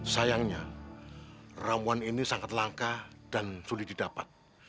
sayangnya rawon ini sangat langka dan sulit didapat